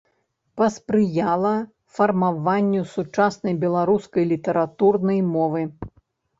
Паспрыяла фармаванню сучаснай беларускай літаратурнай мовы.